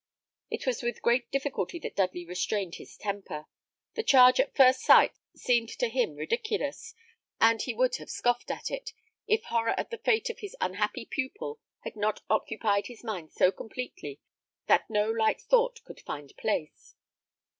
It was with great difficulty that Dudley restrained his temper. The charge at first sight seemed to him ridiculous, and he would have scoffed at it, if horror at the fate of his unhappy pupil had not occupied his mind so completely that no light thought could find place.